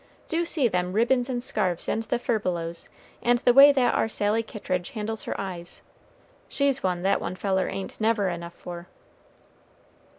Do see them ribbins and scarfs, and the furbelows, and the way that ar Sally Kittridge handles her eyes. She's one that one feller ain't never enough for."